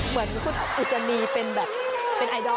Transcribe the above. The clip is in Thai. เหมือนคุณอุจจานีเป็นแบบเป็นไอดอล